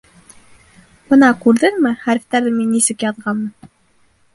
— Бына, күрҙеңме, хәрефтәрҙе мин нисек яҙғанмын.